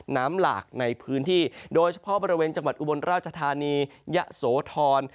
หลากในพื้นที่โดยเฉพาะบริเวณจังหวัดอุบลราชธานียะโสธร